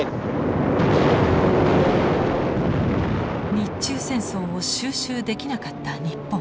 日中戦争を収拾できなかった日本。